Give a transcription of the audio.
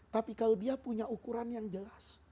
tapi kalau dia punya ukuran yang jelas